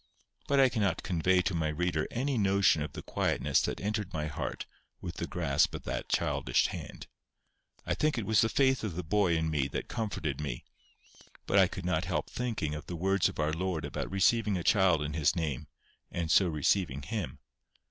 But I cannot convey to my reader any notion of the quietness that entered my heart with the grasp of that childish hand. I think it was the faith of the boy in me that comforted me, but I could not help thinking of the words of our Lord about receiving a child in His name, and so receiving Him.